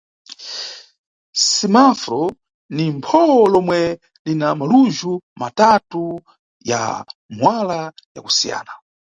Simafuro ni phowo lomwe lina malujhu matatu ya muwala ya kusiyana.